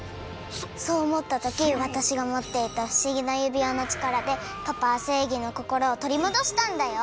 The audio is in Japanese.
そうおもったときわたしがもっていたふしぎなゆびわのちからでパパはせいぎのこころをとりもどしたんだよ！